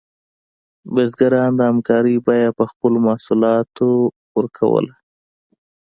بزګران د همکارۍ بیه په خپلو محصولاتو ورکوله.